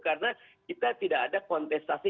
karena kita tidak ada kontestasi